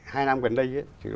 hai năm gần đây